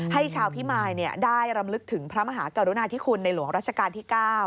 ให้ชาวพิมายได้รำลึกถึงพระมหากรุณาธิคุณในหลวงรัชกาลที่๙